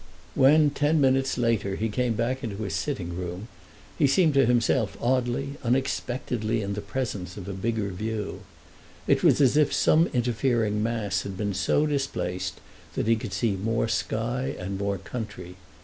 When ten minutes later he came back into his sitting room, he seemed to himself oddly, unexpectedly in the presence of a bigger view. It was as if some interfering mass had been so displaced that he could see more sky and more country.